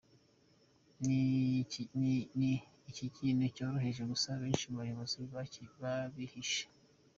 Iki ni ikintu cyoroheje gusa benshi mu bayobozi cyabihishe.